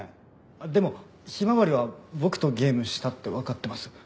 でもひまわりは僕とゲームしたってわかってます。